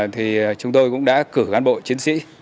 thì chúng tôi cũng đã cử cán bộ chiến sĩ